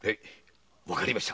わかりました。